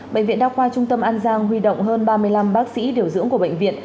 bệnh viện đa khoa trung tâm an giang huy động hơn ba mươi năm bác sĩ điều dưỡng của bệnh viện